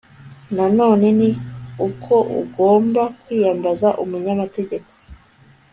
nanone ni uko ugomba kwiyambaza umunyamategeko